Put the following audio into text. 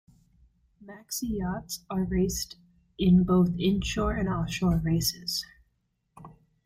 Maxi yachts are raced in both inshore and offshore races.